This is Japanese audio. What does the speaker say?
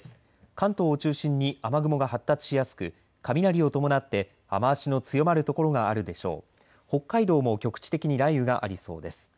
関東を中心に雨雲が発達しやすく雷を伴って雨足の強まる所があるでしょう。